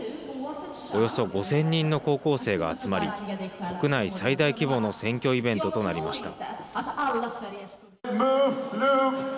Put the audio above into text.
およそ５０００人の高校生が集まり国内最大規模の選挙イベントとなりました。